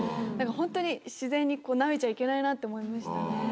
ホントに自然にナメちゃいけないなって思いましたね。